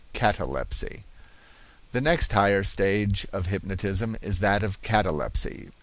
CATALEPSY. The next higher stage of hypnotism is that of catalepsy.